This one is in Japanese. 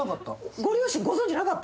ご両親、ご存じなかった？